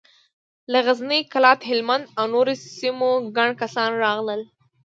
له غزني، کلات، هلمند او نورو سيمو ګڼ کسان راغلل.